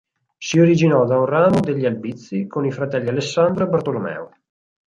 Si originò da un ramo degli Albizi, con i fratelli Alessandro e Bartolomeo.